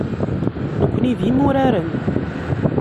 Nekkni d imuraren.